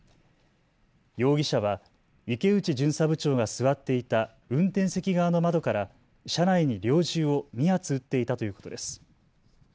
容疑者は池内巡査部長が座っていた運転席側の窓から車内に猟銃を２発撃っていたということです。